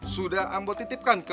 sudah ambo titipkan ke